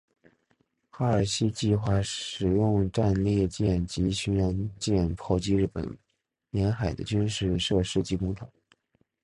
哈尔西计划使用战列舰及巡洋舰炮击日本沿海的军事设施及工厂。